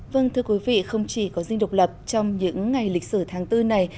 vâng thưa quý vị không chỉ có dinh độc lập trong những ngày lịch sử tháng bốn này